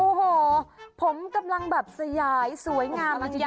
โอ้โฮคขับหลังแบบสะยายสวยงามหยีดเยาะ